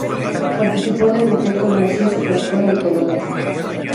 Participó el arquitecto Narciso Pascual y Colomer.